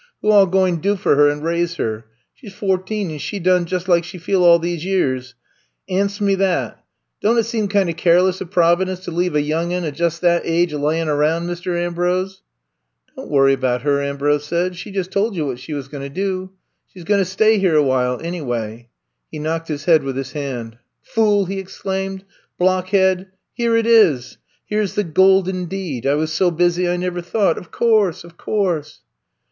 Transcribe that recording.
Who all gwine do for her and raise her f She 's f o 'teen, and she 's done jus ' lak she feel all dese years. An — 8 'mat. Don't it seem kinda careless I'VE COME TO STAY 57 o* Providence to leave a young nn o' jus' that age a laying aroun \ Mist * Ambrose f *'* *Don*t worry about her, '' Ambrose said. She just, told you what she was going to do. She 's going to stay here — awhile, anyway/* He knocked his head with his hand. FoolI'' he exclaimed. Blockhead I Here it is. Here 's the Golden Deed ! I was so busy I never thought. Of course; of course